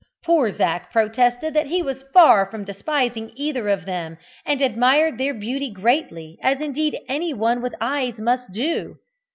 Poor Zac protested that he was far from despising either of them, and admired their beauty greatly, as indeed anyone with eyes must do.